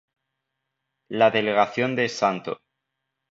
La delegación de St.